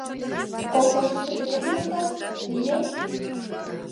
Колхозышто тыге туныктат, ие?